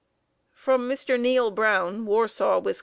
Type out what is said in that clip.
From Mr. Neal Brown, Warsaw, Wis.